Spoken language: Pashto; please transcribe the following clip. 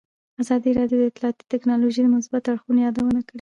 ازادي راډیو د اطلاعاتی تکنالوژي د مثبتو اړخونو یادونه کړې.